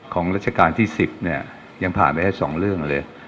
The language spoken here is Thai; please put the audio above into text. รัชกาลที่๑๐เนี่ยยังผ่านไปได้๒เรื่องเลย